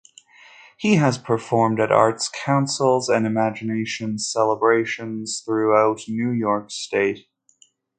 He has performed at Arts Councils and Imagination Celebrations throughout New York State.